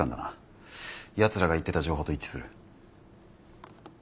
やつらが言ってた情報と一致する。